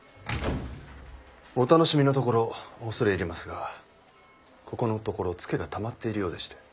お楽しみのところ恐れ入りますがここのところツケがたまっているようでして。